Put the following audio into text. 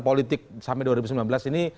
politik sampai dua ribu sembilan belas ini